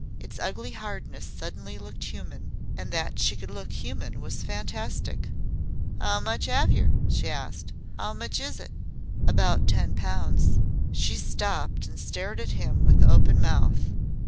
Its ugly hardness suddenly looked human. And that she could look human was fantastic. "'Ow much 'ave yer?" she asked. "'Ow much is it?" "About ten pounds." She stopped and stared at him with open mouth.